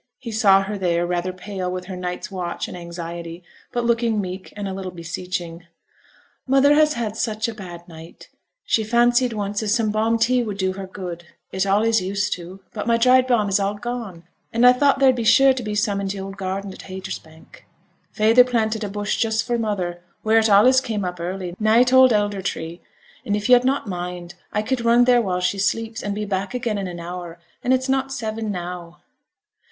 He saw her there, rather pale with her night's watch and anxiety, but looking meek, and a little beseeching. 'Mother has had such a bad night! she fancied once as some balm tea would do her good it allays used to: but my dried balm is all gone, and I thought there'd be sure to be some in t' old garden at Haytersbank. Feyther planted a bush just for mother, wheere it allays came up early, nigh t' old elder tree; and if yo'd not mind, I could run theere while she sleeps, and be back again in an hour, and it's not seven now.'